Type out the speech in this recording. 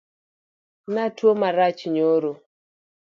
Natuo marach nyoro.